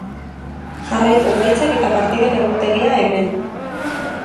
Jarraitu emaitzak eta partiden egutegia hemen.